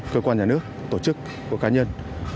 cơ quan nhà nước tổ chức cá nhân